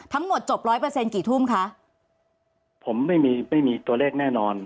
ทั้งหมดจบร้อยเปอร์เซ็นต์กี่ทุ่มคะผมไม่มีไม่มีตัวเลขแน่นอน